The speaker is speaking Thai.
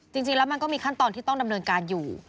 จริงแล้วมันก็มีขั้นตอนที่ต้องดำเนินการอยู่